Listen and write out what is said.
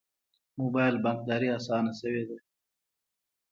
موبایل بانکداري اسانه شوې ده